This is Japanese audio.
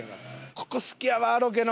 ここ好きやわロケの。